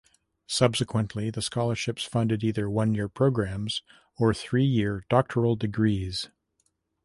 Subsequently, the Scholarships funded either one-year programs or three-year doctoral degrees.